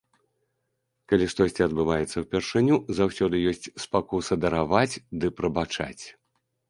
Калі штосьці адбываецца ўпершыню, заўсёды ёсць спакуса дараваць ды прабачаць.